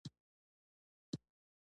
روغتون د درملنې ځای دی